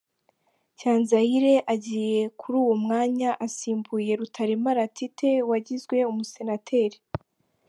Cyanzayire agiye kuri uwo mwanya asimbuye Rutaremara Tite wagizwe Umusenateri.